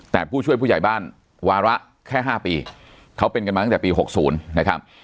แต่ผู้ช่วยผู้ใหญ่บ้านวาระแค่๕ปีเขาเป็นกันมาตั้งแต่ปี๖๐นะครับ